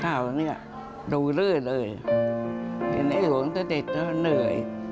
ข่าวนี้โดยเรื่อยเลยเห็นไอ้หลวงเสด็จแล้วเหนื่อย